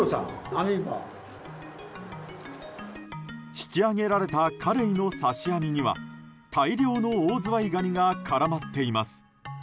引き揚げられたカレイの刺し網には大量のオオズワイガニが絡まっています。